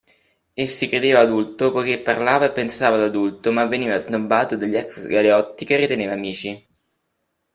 E si credeva adulto poiché parlava e pensava da adulto ma veniva snobbato dagli ex-galeotti che riteneva amici.